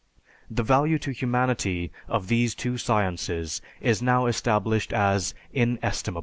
The value to humanity of these two sciences is now established as inestimable.